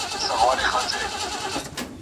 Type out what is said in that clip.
د دوی قضاوت ولاړ اړخ درلود.